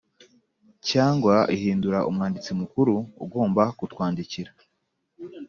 cyangwa ihindura Umwanditsi Mukuru ugomba kutwandikira